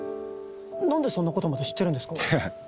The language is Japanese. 何でそんなことまで知ってるんですか？